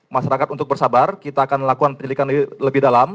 masyarakat untuk bersabar kita akan lakukan penyelidikan lebih dalam